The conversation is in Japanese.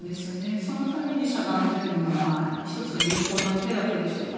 そのために遮断というのも１つの有効な手立てでしょうから。